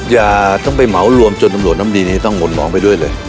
อย่าต้องไปเหมารวมจนตำรวจน้ำดีนี้ต้องห่นมองไปด้วยเลย